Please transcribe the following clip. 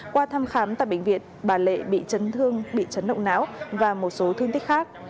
qua thăm khám tại bệnh viện bà lệ bị chấn thương bị chấn động não và một số thương tích khác